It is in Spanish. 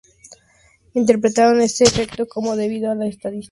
Interpretaron este efecto como debido a la estadística de Bose–Einstein.